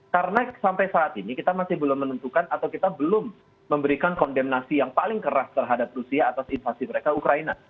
karena sampai saat ini kita masih belum menentukan atau kita belum memberikan kondemnasi yang paling keras terhadap rusia atas invasi mereka ukraina